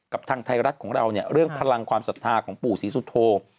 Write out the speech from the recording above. กับทางไทยรัฐเรื่องพลังความศรัทธาของปู่ศรีสุโธง